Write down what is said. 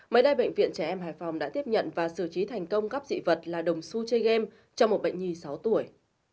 mới đây bệnh viện trẻ em hải phòng đã tiếp nhận và xử trí thành công các dị vật là đồng su chơi game cho một bệnh nhi sáu tuổi